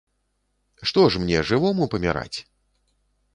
Што ж мне, жывому, паміраць?